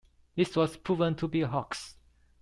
This was proven to be a hoax.